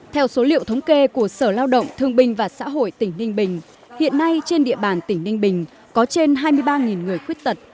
theo số liệu thống kê của sở lao động thương binh và xã hội tỉnh ninh bình hiện nay trên địa bàn tỉnh ninh bình có trên hai mươi ba người khuyết tật